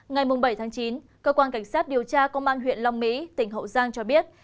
ngày bảy chín cơ quan cảnh sát điều tra công an huyện long mỹ tỉnh hậu giang cho biết